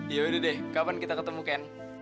yaudah deh kapan kita ketemu kan